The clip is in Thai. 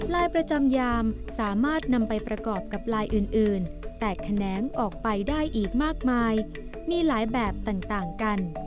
ลายประจำยามสามารถนำไปประกอบกับลายอื่นแตกแขนงออกไปได้อีกมากมายมีหลายแบบต่างกัน